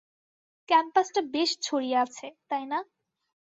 ক্যাম্পাসটা বেশ ছড়িয়ে আছে, তাই না?